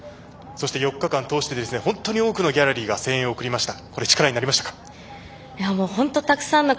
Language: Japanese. ４日間通して本当に多くのギャラリーが声援を送りました。